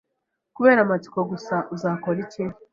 Kubera amatsiko gusa, uzakora iki?